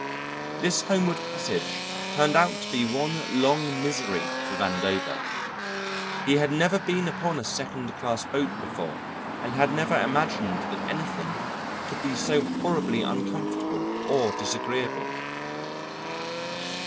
This homeward passage turned out to be one long misery for Vandover. He had never been upon a second class boat before and had never imagined that anything could be so horribly uncomfortable or disagreeable.